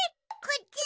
こっち！